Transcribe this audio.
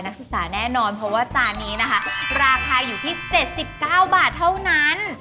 นักศึกษาแน่นอนเพราะว่าจานนี้นะคะราคาอยู่ที่๗๙บาทเท่านั้น